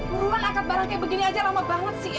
ruang angkat barang kayak begini aja lama banget sih